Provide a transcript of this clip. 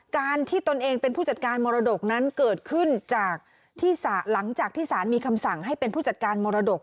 การที่ตนเองเป็นผู้จัดการมรดกนั้นเกิดขึ้นจากที่หลังจากที่สารมีคำสั่งให้เป็นผู้จัดการมรดก